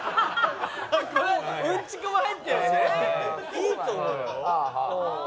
いいと思うようん。